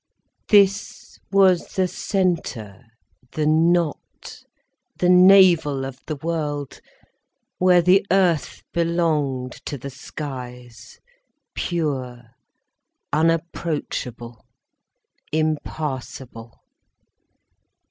This was the centre, the knot, the navel of the world, where the earth belonged to the skies, pure, unapproachable, impassable.